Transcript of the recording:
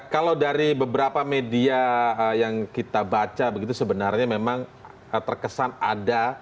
kalau dari beberapa media yang kita baca begitu sebenarnya memang terkesan ada